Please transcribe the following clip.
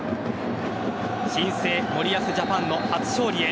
新生森保ジャパンの初勝利へ